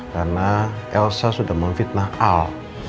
karena elsa sudah memfitnah al